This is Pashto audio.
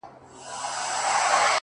خير دی ! دى كه اوسيدونكى ستا د ښار دى!